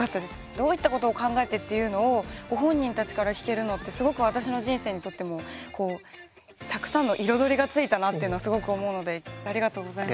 どういったことを考えてっていうのをご本人たちから聞けるのってすごく私の人生にとってもこうたくさんの彩りがついたなっていうのはすごく思うのでありがとうございます。